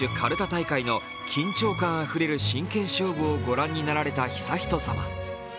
大会の緊張感あふれる真剣勝負を御覧になられた悠仁さま。